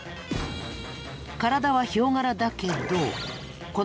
体はヒョウ柄だけどこの顔。